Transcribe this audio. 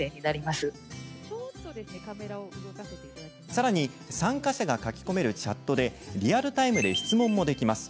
さらに、参加者が書き込めるチャットでリアルタイムで質問もできます。